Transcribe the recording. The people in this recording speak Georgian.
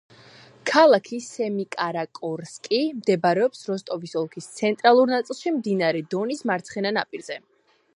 ქალაქი სემიკარაკორსკი მდებარეობს როსტოვის ოლქის ცენტრალურ ნაწილში, მდინარე დონის მარცხენა ნაპირზე.